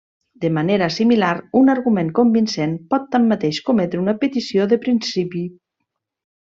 De manera similar, un argument convincent pot tanmateix cometre una petició de principi.